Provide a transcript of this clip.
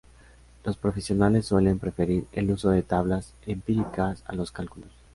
Los profesionales suelen preferir el uso de tablas empíricas a los cálculos.